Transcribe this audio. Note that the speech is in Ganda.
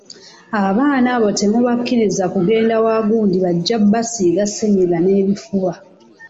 Abaana abo temubakkiriza kugenda wa gundi bajja kubasiiga ssennyiga n'ebifuba!